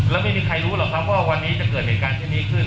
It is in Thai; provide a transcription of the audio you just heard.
แล้วไม่มีใครรู้หรอกครับว่าวันนี้จะเกิดเหตุการณ์เช่นนี้ขึ้น